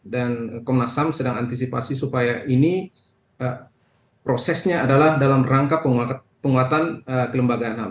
dan komnas ham sedang antisipasi supaya ini prosesnya adalah dalam rangka penguatan kelembagaan ham